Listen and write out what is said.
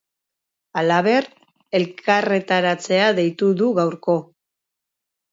Halaber, elkarretaratzea deitu du gaurko.